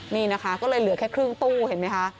นี่นะคะก็เลยเหลือแค่ครึ่งตู้เห็นไหมคะ